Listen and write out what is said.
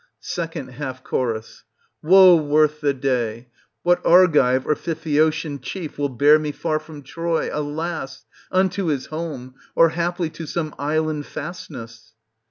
2ND Half Cho. Woe worth the day ! What Argive or Phthiotian chief will bear me far from Troy, alas \ unto his home, or haply to some island fastness